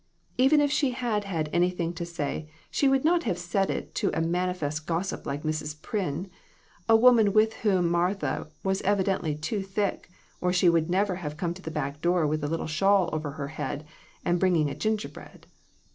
Even if she had had anything to say, she would not have said it to a manifest gossip like Mrs. Pryn, a woman with whom Mar tha was evidently too thick, or she would never have come to the back door with a little shawl over her head, and bringing a gingerbread.